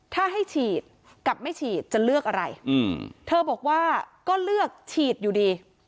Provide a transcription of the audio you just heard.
ถ้าให้ฉีดกับไม่ฉีดจะเลือกอะไรเธอบอกว่าก็เลือกฉีดอยู่ดี